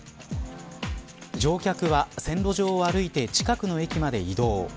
乗客は線路上を歩いて近くの駅まで移動。